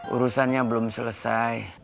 urusannya belum selesai